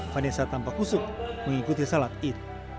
vanessa tampak kusuk mengikuti salat id